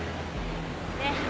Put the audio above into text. ねえ。